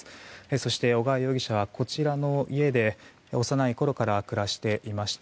そして、小川容疑者はこちらの家で幼いころから暮らしていました。